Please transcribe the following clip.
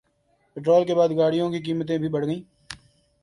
petrol کے بعد گاڑیوں کی قیمتیں بھی بڑھ گئیں